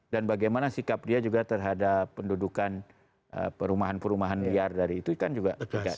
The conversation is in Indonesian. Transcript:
dan bagaimana sikap dia juga terhadap pendudukan perumahan perumahan liar dari itu kan juga